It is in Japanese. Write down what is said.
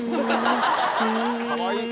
かわいい。